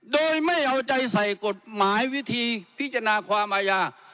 โดยไม่เอาใจใส่กฎหมายวิธีพิจารณาความอาญา